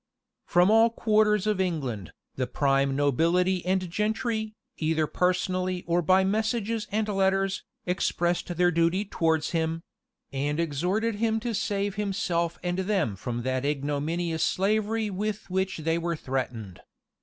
[*]* Warwick, p. 203. From all quarters of England, the prime nobility and gentry, either personally or by messages and letters, expressed their duty towards him; and exhorted him to save himself and them from that ignominious slavery with which they were threatened.